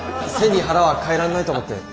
背に腹はかえらんないと思って。